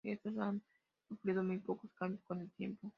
Estos han sufrido muy pocos cambios con el tiempo.